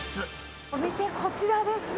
お店、こちらですね。